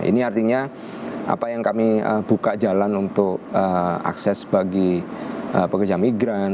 ini artinya apa yang kami buka jalan untuk akses bagi pekerja migran